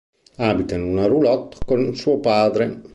Abita in una roulotte con suo padre.